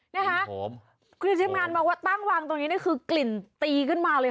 นี่คะคุณเชียร์ชีพงานบอกว่าตั้งวางตรงนี้นี่คือกลิ่นตีกันมาเลย